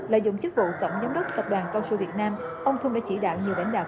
lợi dụng chức vụ tổng giám đốc tập đoàn cao su việt nam ông thung đã chỉ đạo nhiều lãnh đạo